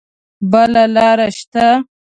بله لار شته؟